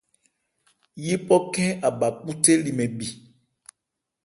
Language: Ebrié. Yípɔ khɛ́n a bha khúthé li mɛn bhi.